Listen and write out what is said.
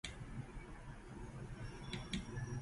He had been under pressure to resign since the report's release.